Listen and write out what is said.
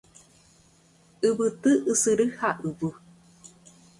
Yvyty, ysyry ha yvy.